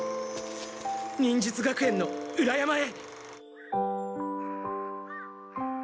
忍術学園の裏山へ！